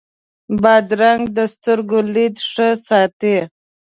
بادرنګ د سترګو لید ښه ساتي.